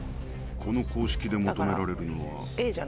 この公式で求められるのは。